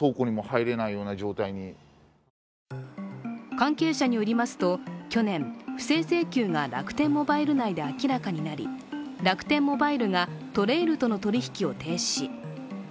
関係者によりますと去年、不正請求が楽天モバイル内で明らかになり楽天モバイルがＴＲＡＩＬとの取引を停止。